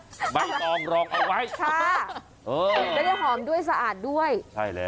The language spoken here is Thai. อะไรใบตองรองเอาไว้ค่ะได้หอมด้วยสะอาดด้วย